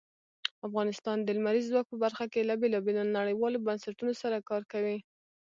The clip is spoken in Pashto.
افغانستان د لمریز ځواک په برخه کې له بېلابېلو نړیوالو بنسټونو سره کار کوي.